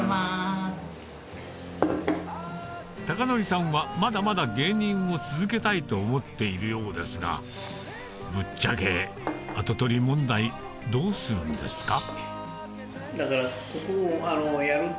孝法さんはまだまだ芸人を続けたいと思っているようですがぶっちゃけどうするんですか？